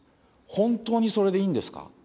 本当にそれでいいんですか。